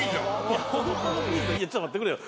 ’ｚいやちょっと待ってくれよ